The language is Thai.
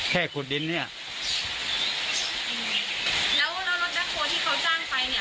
แค่ขุดดินเนี้ยอืมแล้วรถรถดักโครที่เขาจ้างไปเนี้ย